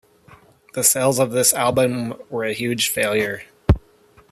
The sales of this album were a huge failure.